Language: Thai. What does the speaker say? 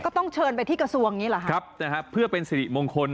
ต้องเชิญไปที่กระทรวงนี้เหรอฮะครับนะฮะเพื่อเป็นสิริมงคล